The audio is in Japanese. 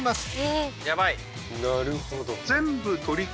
なるほど。